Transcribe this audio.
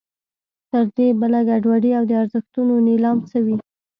تر دې بله ګډوډي او د ارزښتونو نېلام څه وي.